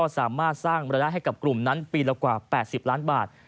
สามารถสร้างรายได้ให้กับกลุ่มนั้นปีละกว่า๘๐ล้านบาท